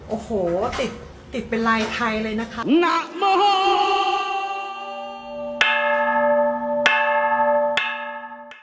โอ้โหติดติดเป็นไลน์ไทยเลยนะคะ